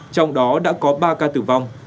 trong đó đã có ba ca tử vong